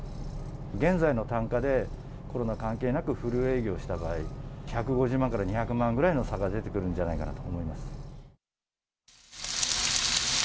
現在の単価でコロナ関係なくフル営業した場合、１５０万から２００万ぐらいの差が出てくるのではないかと思います。